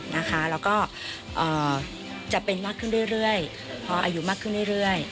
แล้วก็จะเป็นมากขึ้นเรื่อยพออายุมากขึ้นเรื่อย